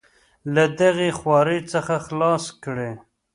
له دغې خوارۍ څخه خلاص کړي.